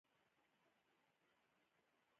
افغانستان د پنبې تولیدونکی هیواد دی